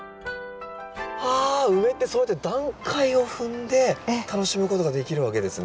はあウメってそうやって段階を踏んで楽しむことができるわけですね。